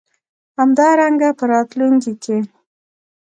همدارنګه په راتلونکې کې